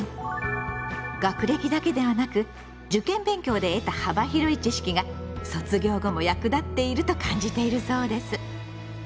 学歴だけではなく受験勉強で得た幅広い知識が卒業後も役立っていると感じているそうです。